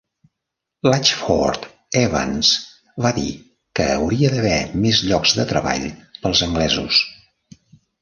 Latchford-Evans va dir que "hauria d'haver més llocs de treball pels anglesos".